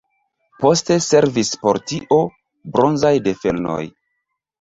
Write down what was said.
Poste servis por tio bronzaj delfenoj.